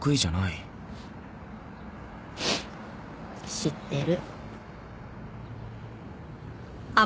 知ってる。